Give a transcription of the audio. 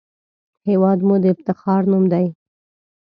هېواد مو د افتخار نوم دی